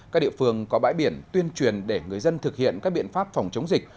các địa phương có bãi biển tuyên truyền để người dân thực hiện các biện pháp phòng chống dịch